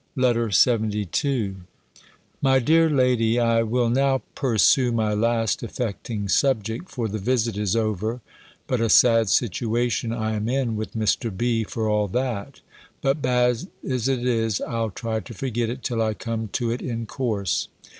B. LETTER LXXII MY DEAR LADY, I will now pursue my last affecting subject; for the visit is over; but a sad situation I am in with Mr. B. for all that: but, bad as it is, I'll try to forget it, till I come to it in course.